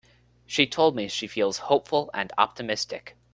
She told me she feels hopeful and optimistic.